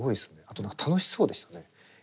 あと楽しそうでしたね。